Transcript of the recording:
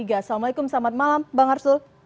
assalamualaikum selamat malam bang arsul